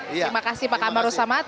terima kasih pak kamaru samad